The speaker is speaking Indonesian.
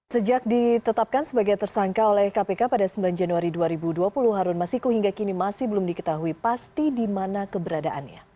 sejak ditetapkan sebagai tersangka oleh kpk pada sembilan januari dua ribu dua puluh harun masiku hingga kini masih belum diketahui pasti di mana keberadaannya